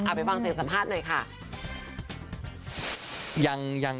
ไปฟังเสียงสัมภาษณ์หน่อยค่ะ